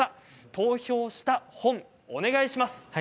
投票した本をお願いします。